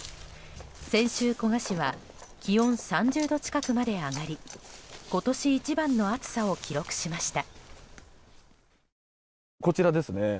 先週、古河市は気温３０度近くまで上がり今年一番の暑さを記録しました。